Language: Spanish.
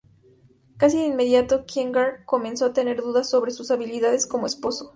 Casi de inmediato, Kierkegaard comenzó a tener dudas sobre sus habilidades como esposo.